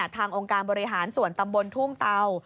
องค์การบริหารส่วนตำบลทุ่งเตา